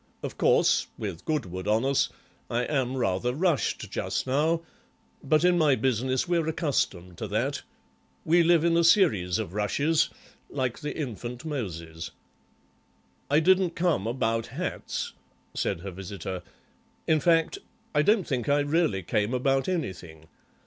Of course, with Goodwood on us, I am rather rushed just now, but in my business we're accustomed to that; we live in a series of rushes—like the infant Moses." "I didn't come about hats," said her visitor. "In fact, I don't think I really came about anything.